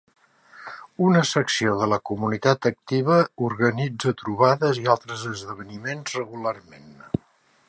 Una secció de la comunitat activa organitza "trobades" i altres esdeveniments regularment.